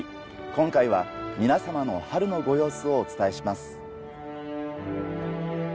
今回は皆さまの春のご様子をお伝えします。